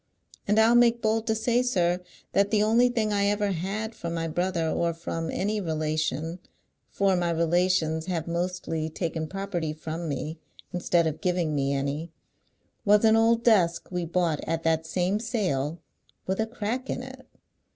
And I'll make bold to say, sir, that the only thing I ever had from my brother, or from any relation, for my relations have mostly taken property from me instead of giving me any, was an old desk we bought at that same sale, with a crack in it.